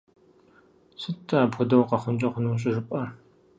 Сыт-тӀэ апхуэдэу къэхъункӀэ хъуну щӀыжыпӀэр?